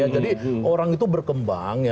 jadi orang itu berkembang